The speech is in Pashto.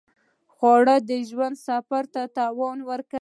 خوړل د ژوند سفر ته توان ورکوي